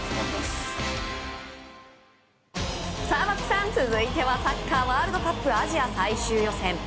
松木さん、続いてはサッカーワールドカップアジア最終予選。